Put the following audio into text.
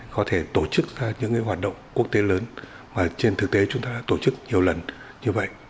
có thể tổ chức ra những hoạt động quốc tế lớn mà trên thực tế chúng ta tổ chức nhiều lần như vậy